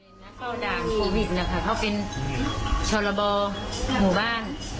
นักเข้าด่านโควิดนะคะเขาเป็นชรบหมู่บ้าน